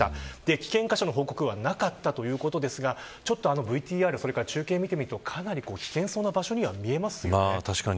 危険箇所の報告はなかったということですが中継を見てみるとかなり危険そうな場所に見えますよね。